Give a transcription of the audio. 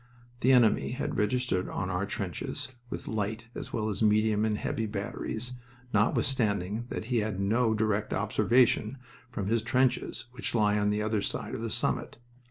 The enemy had registered on our trenches with light, as well as medium and heavy, batteries, notwithstanding that he had no direct observation from his trenches, which lie on the other side of the summit.